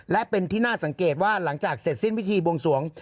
และเป็นที่น่าสังเกตว่าหลังจากเสร็จสิ้นพิธีบวงสวง